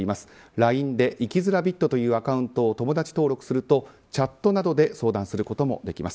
ＬＩＮＥで生きづらびっとというアカウントを友達登録すると、チャットなどで相談することもできます。